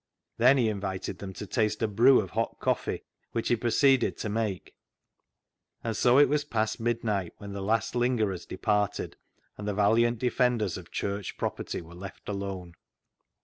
Then he invited them to taste a brew of hot coffee, which he proceeded to make ; and so it was past mid night when the last lingerers departed, and the valiant defenders of church property were left alone.